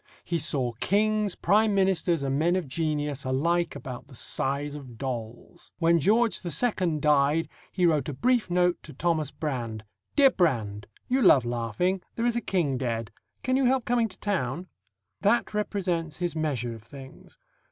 He saw kings, prime ministers, and men of genius alike about the size of dolls. When George II. died, he wrote a brief note to Thomas Brand: "Dear Brand You love laughing; there is a king dead; can you help coming to town?" That represents his measure of things.